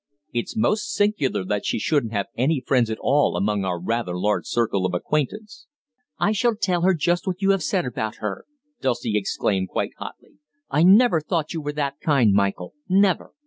It's most singular that she shouldn't have any friends at all among our rather large circle of acquaintance." "I shall tell her just what you have said about her," Dulcie exclaimed quite hotly. "I never thought you were that kind, Michael never.